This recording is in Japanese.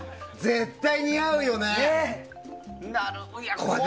絶対に合うよね。